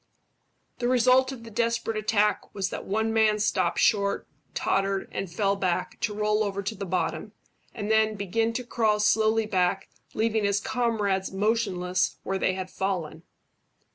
The result of the desperate attack was that one man stopped short, tottered, and fell back, to roll over to the bottom and then begin to crawl slowly back, leaving his comrades motionless where they had fallen.